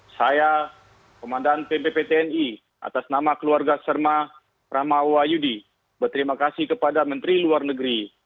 saya pemadaan pmpp tni atas nama keluarga serma rahma wahyudi berterima kasih kepada menteri luar negeri